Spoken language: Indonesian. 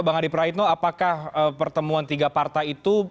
bang adi praitno apakah pertemuan tiga partai itu